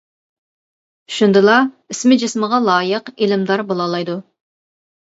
شۇندىلا ئىسمى جىسمىغا لايىق ئىلىمدار بولالايدۇ.